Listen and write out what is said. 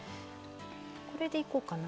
これでいこうかな。